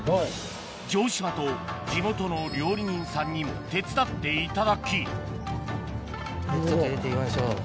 城島と地元の料理人さんにも手伝っていただき入れて行きましょう。